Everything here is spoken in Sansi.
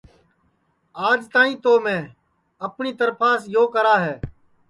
آج تک تو میں اپٹؔی ترپھاس یو کرا ہے